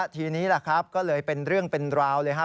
ทีนี้ละครับเป็นเรื่องเป็นราวเลยครับ